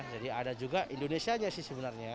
jadi ada juga indonesia nya sih sebenarnya